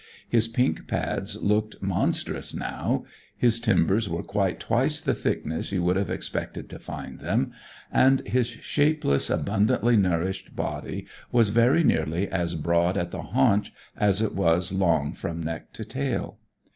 His pink pads looked monstrous now; his timbers were quite twice the thickness you would have expected to find them; and his shapeless, abundantly nourished body was very nearly as broad at the haunch as it was long from neck to tail.